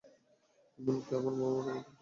এমনকি আমার মাও আমার দিকে তাকাবে না।